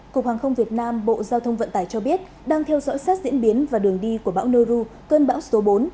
cục hàng không việt nam bộ giao thông vận tải cho biết đang theo dõi sát diễn biến và đường đi của bão neru cơn bão số bốn